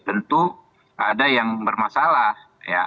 tentu ada yang bermasalah ya